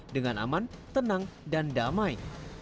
dengan aman tenang dan damai